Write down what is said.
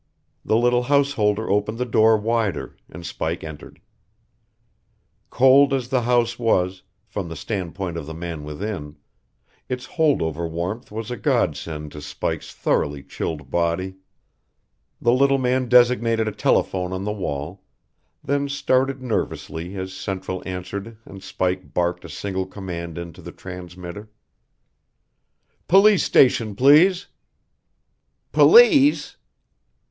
The little householder opened the door wider, and Spike entered. Cold as the house was, from the standpoint of the man within, its hold over warmth was a godsend to Spike's thoroughly chilled body. The little man designated a telephone on the wall, then started nervously as central answered and Spike barked a single command into the transmitter: "Police station, please!" "Police?"